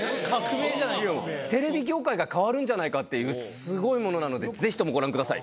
テレビ業界が変わるんじゃないかっていうスゴいものなのでぜひともご覧ください